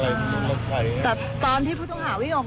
ตามมาถึงตรงไหน